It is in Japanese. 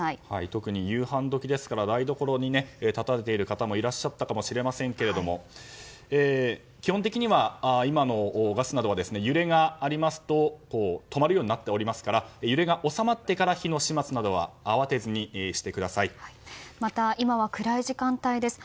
特に夕飯時でしたから台所に立たれている方もいらっしゃったかもしれませんが基本的には今のガスなどは揺れがありますと止まるようになっておりますから揺れが収まってから火の始末などはまた、今は暗い時間帯です。